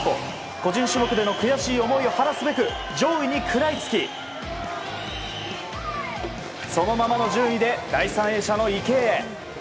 個人種目での悔しい思いを晴らすべく上位に食らいつきそのままの順位で第３泳者の池江。